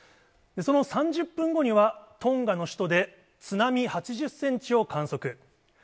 その３０分後には、トンガの首都で津波８０センチを観測。